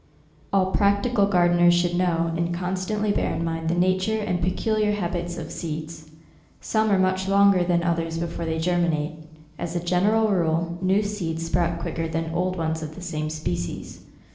All practical gardeners should know, and constantly bear in mind the nature and pecu liar habits of seeds. Some are much longer than others before they germinate. As a general rule, new seeds sprout quicker than old ones of the same species.